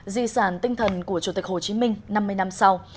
di sản tinh thần của chủ tịch hồ chí minh năm mươi năm sau